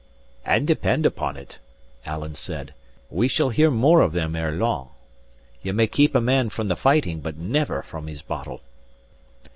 "And depend upon it," Alan said, "we shall hear more of them ere long. Ye may keep a man from the fighting, but never from his bottle."